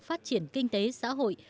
phát triển kinh tế xã hội